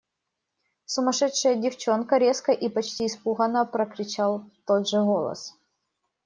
– Сумасшедшая девчонка! – резко и почти испуганно прокричал тот же голос.